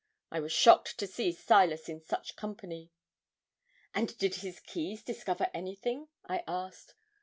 I was shocked to see Silas in such company.' 'And did his keys discover anything?' I asked.